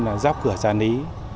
là giáp cửa trà nỉ